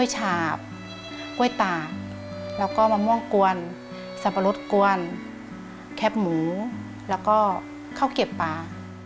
ฉาบกล้วยตากแล้วก็มะม่วงกวนสับปะรดกวนแคบหมูแล้วก็ข้าวเก็บปลา